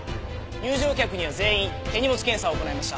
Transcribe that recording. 入場客には全員手荷物検査を行いました。